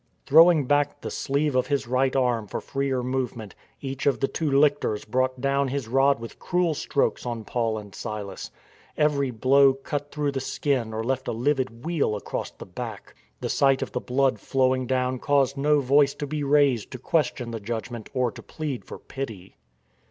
Throwing back the sleeve of his right arm for freer movement, each of the two lictors brought down his rod with .cruel strokes on Paul and Silas. Every blow cut through the skin or left a livid weal across the back. The sight of the blood flowing down caused no voice to be raised to question the judgment or to plead for pity.